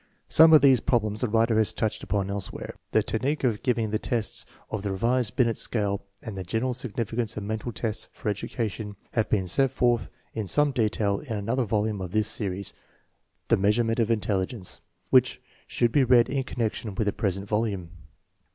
Some of these problems the writer has touched upon elsewhere. 1 The technique of giving the tests of the revised Binet scale and the general significance of mental tests for education have been set forth in some detail in another volume of this series, The Measurement of Intelligence,* which should be read in connection with the present volume.